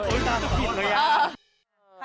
โอ๊ยตามจะผิดเลยอ่ะ